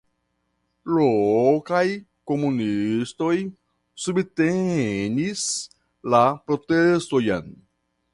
Lokaj komunistoj subtenis la protestojn.